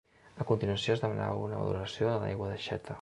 A continuació es demanava una valoració de l’aigua d’aixeta.